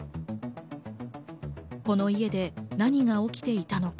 この家で何が起きていたのか。